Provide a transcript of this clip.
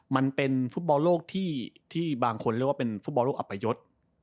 มันเป็นฟุตบอลโลกที่บางคนเรียกว่าเป็นฟุตบอลโลกอัปยศ